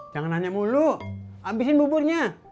jangan nanya mulu abisin buburnya